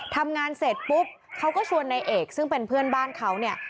ทำงานเสร็จปุ๊บเขาก็ชวนนายเอกซึ่งเป็นเพื่อนบ้านเขาเนี่ย